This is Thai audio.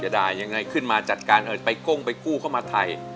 ด่ายังไงขึ้นมาจัดการไปก้งไปกู้เข้ามาไทย